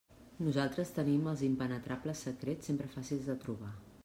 Nosaltres tenim els impenetrables secrets sempre fàcils de trobar.